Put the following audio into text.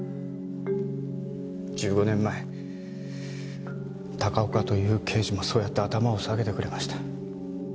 １５年前高岡という刑事もそうやって頭を下げてくれました。